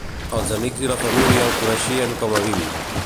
Els amics i la família el coneixien com a Bim.